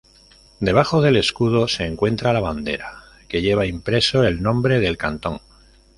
Debajo del Escudo se encuentra la bandera, que lleva impreso el nombre del cantón.